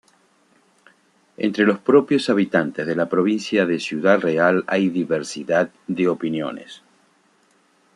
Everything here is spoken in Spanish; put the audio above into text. Entre los propios habitantes de la provincia de Ciudad Real hay diversidad de opiniones.